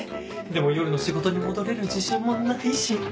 でも夜の仕事に戻れる自信もないし。